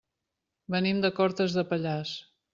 Venim de Cortes de Pallars.